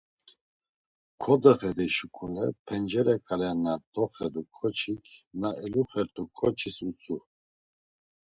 Doxedey şuǩule pencere ǩale na doxedu ǩoçik na eluxert̆u ǩoçis utzu.